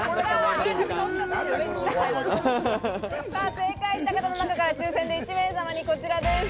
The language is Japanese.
正解した方の中から抽選で１名様にこちらです。